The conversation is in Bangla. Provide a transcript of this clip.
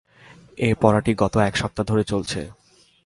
এই পড়াটি গত এক সপ্তাহ ধরে চলছে।